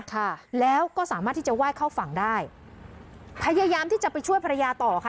ค่ะแล้วก็สามารถที่จะไหว้เข้าฝั่งได้พยายามที่จะไปช่วยภรรยาต่อค่ะ